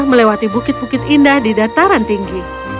melewati bukit bukit indah di dataran tinggi